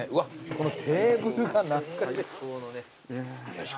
このテーブルが懐かしい。